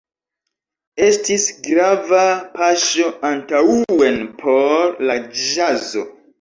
Estis grava paŝo antaŭen por la ĵazo.